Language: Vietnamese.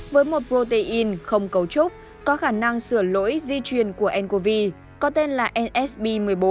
với một protein không cấu trúc có khả năng sửa lỗi di truyền của ncov có tên là msb một mươi bốn